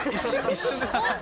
一瞬です。